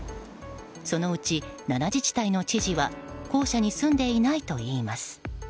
そのうち７自治体の知事は公舎に住んでいないといいます。